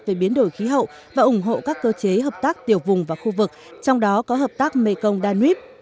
về biến đổi khí hậu và ủng hộ các cơ chế hợp tác tiểu vùng và khu vực trong đó có hợp tác mekong danwef